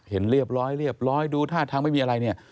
เห็นเรียบร้อยเรียบร้อยดูท่าทางไม่มีอะไรเนี่ย